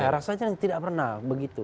rasanya tidak pernah begitu